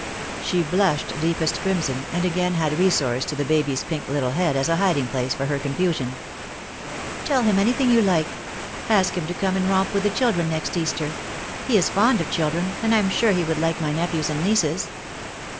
She blushed deepest crimson, and again had resource to the baby's pink little head as a hiding place for her confusion. "Tell him anything you like. Ask him to come and romp with the children next Easter. He is fond of children, and I am sure he would like my nephews and nieces.